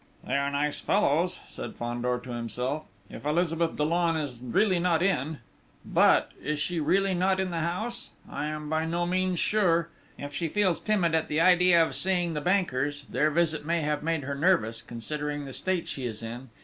"They are nice fellows," said Fandor to himself. "If Elizabeth Dollon is really not in!... but... Is she really not in the house? I am by no means sure.... If she feels timid at the idea of seeing the bankers their visit may have made her nervous, considering the state she is in